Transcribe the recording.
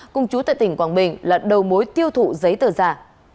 cung chú tại tỉnh quảng bình lận đầu mối tiêu thụ giấy tờ giả